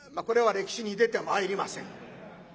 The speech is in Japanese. これは歴史に出てまいりません。